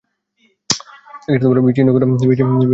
বিচ্ছিন্ন করা হচ্ছে!